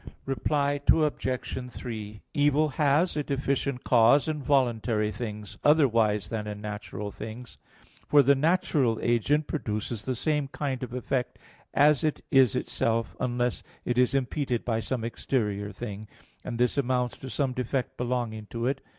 Reply Obj. 3: Evil has a deficient cause in voluntary things otherwise than in natural things. For the natural agent produces the same kind of effect as it is itself, unless it is impeded by some exterior thing; and this amounts to some defect belonging to it.